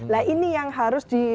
lah ini yang harus dikonsumsi